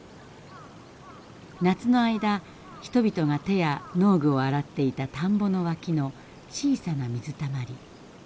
夏の間人々が手や農具を洗っていた田んぼのわきの小さな水たまり。